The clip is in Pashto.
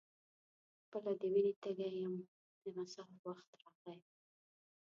خپله د وینې تږی یم د مصاف وخت راغی.